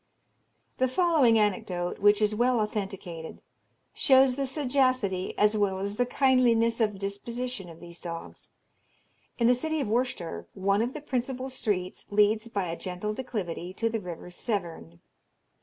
The following anecdote, which is well authenticated, shows the sagacity as well as the kindliness of disposition of these dogs. In the city of Worcester, one of the principal streets leads by a gentle declivity to the river Severn.